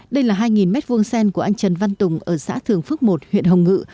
đây là hai m hai sen của anh trần văn tùng ở xã thường phước một huyện hồng ngự